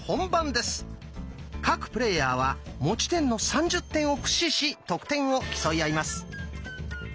各プレーヤーは持ち点の３０点を駆使し得点を競い合います。